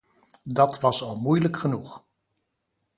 Dat was al moeilijk genoeg.